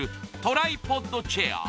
トライポッドチェア